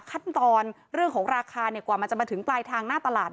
ขั้นตอนเรื่องของราคากว่ามันจะมาถึงปลายทางหน้าตลาด